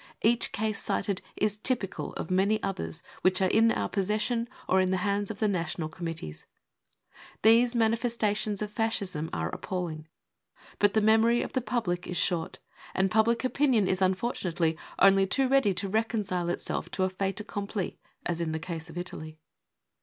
Each case cited is typical of many others which are in our possession or in the hands of the National Committees. These manifestations of Fascism are appalling. But the 1 memory of the public is short, and public opinion is un fortunately only too ready to reconcile itself to a fait m accofnpli 9 as in the case of Italy.